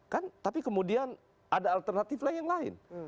kan tapi kemudian ada alternatif lain yang lain